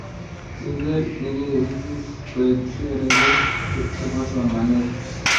ngegeer ngegeesis koek sere ku chebo somanet